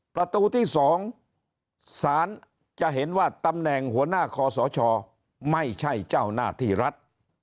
ประตูที่๒สารจะเห็นว่าตำแหน่งหัวหน้าคอสชไม่ใช่เจ้าหน้าที่รัฐ